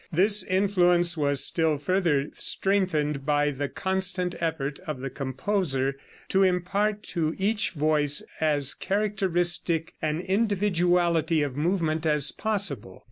This influence was still further strengthened by the constant effort of the composer to impart to each voice as characteristic an individuality of movement as possible.